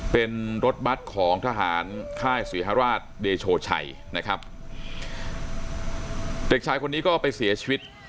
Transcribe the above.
เป็นรถบัตรของทหารค่ายศรีฮราชเดโชชัยนะครับเด็กชายคนนี้ก็ไปเสียชีวิต